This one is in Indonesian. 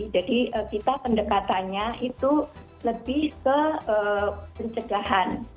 kita pendekatannya itu lebih ke pencegahan